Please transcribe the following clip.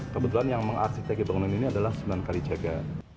kebetulan yang mengarsiteki bangunan ini adalah sunan kalijaga